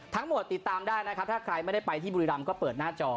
ติดตามได้นะครับถ้าใครไม่ได้ไปที่บุรีรำก็เปิดหน้าจอ